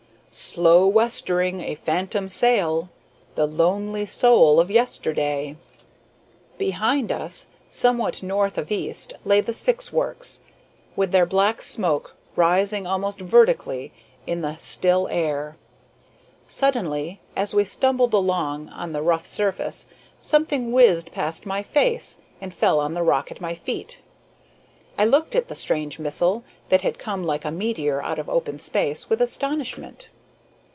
"Slow westering, a phantom sail The lonely soul of yesterday." Behind us, somewhat north of east, lay the Syx works, with their black smoke rising almost vertically in the still air. Suddenly, as we stumbled along on the rough surface, something whizzed past my face and fell on the rock at my feet. I looked at the strange missile, that had come like a meteor out of open space, with astonishment.